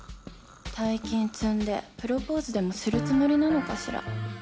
大金積んでプロポーズでもするつもりなのかしら？